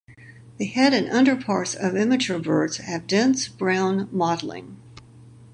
The head and underparts of immature birds have dense brown mottling.